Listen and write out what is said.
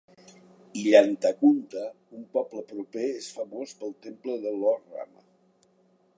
Illanthakunta, un poble proper és famós pel temple de Lord Rama.